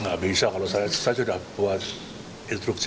nggak bisa kalau saya sudah buat instruksi